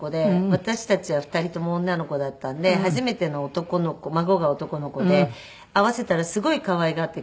私たちは２人とも女の子だったので初めての男の子孫が男の子で会わせたらすごい可愛がってくれて。